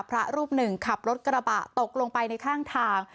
พระรูปหนึ่งขับรถกระบะตกลงไปในข้างทาง